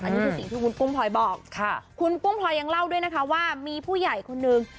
อันนี้คือสิ่งที่คุณกุ้งพลอยบอกค่ะคุณกุ้งพลอยยังเล่าด้วยนะคะว่ามีผู้ใหญ่คนนึง